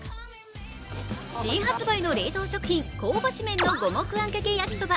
新発売の冷凍食品、香ばし麺の五目あんかけ焼そば。